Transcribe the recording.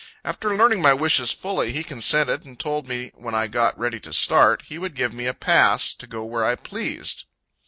After learning my wishes fully, he consented, and told me, when I got ready to start, he would give me a pass, to go where I pleased.